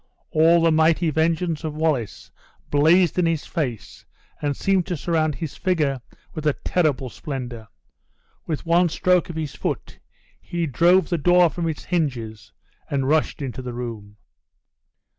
All the mighty vengeance of Wallace blazed in his face and seemed to surround his figure with a terrible splendor. With one stroke of his foot he drove the door from its hinges, and rushed into the room.